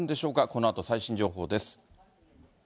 このあと最新情報です。